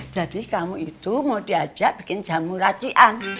jadi kamu itu mau diajak bikin jamuracikan